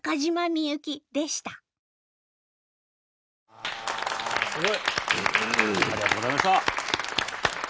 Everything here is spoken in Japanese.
わあすごい！ありがとうございました。